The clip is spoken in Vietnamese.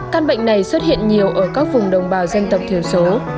căn bệnh này xuất hiện nhiều ở các vùng đồng bào dân tộc thiểu số